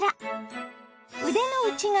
腕の内側